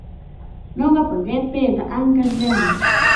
Ñuqapa qipiiqa ankashllam.